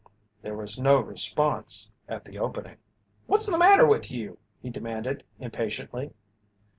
There was no response at the opening. "What's the matter with you?" he demanded, impatiently.